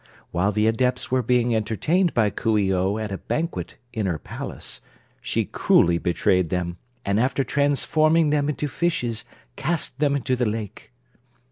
While the Adepts were being entertained by Coo ee oh at a banquet in her palace, she cruelly betrayed them and after transforming them into fishes cast them into the lake.